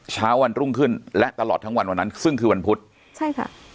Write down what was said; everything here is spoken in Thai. เช้าวันรุ่งขึ้นและตลอดทั้งวันวันนั้นซึ่งคือวันพุธใช่ค่ะ